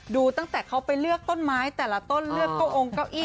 ดูตั้งแต่เขาไปเลือกต้นไม้แต่ละต้นเลือกเก้าองเก้าอี้